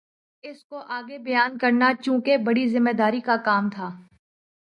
اِس کو آگے بیان کرنا چونکہ بڑی ذمہ داری کا کام تھا